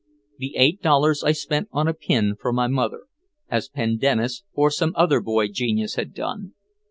The eight dollars I spent on a pin for my mother, as "Pendennis" or some other boy genius had done.